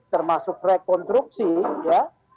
termasuk rekonstruksi ya